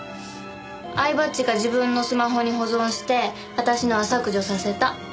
饗庭っちが自分のスマホに保存して私のは削除させた。